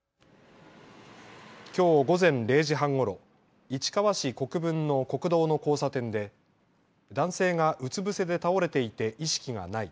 きょう午前０時半ごろ、市川市国分の国道の交差点で男性がうつ伏せで倒れていて意識がない。